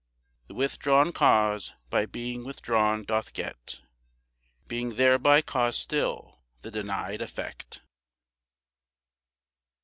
The withdrawn cause by being withdrawn doth get (Being thereby cause still) the denied effect.